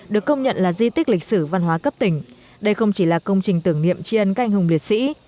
được công nhận là di tích lịch sử văn hóa cấp tỉnh đây không chỉ là công trình tưởng niệm tri ân các anh hùng liệt sĩ